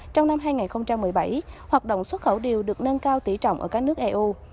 trong năm hai nghìn một mươi bảy hoạt động xuất khẩu điều được nâng cao tỉ trọng ở các nước eu